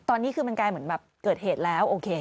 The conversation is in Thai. ตอนนี้คือมันกลายเหมือนเกิดเหตุแล้ว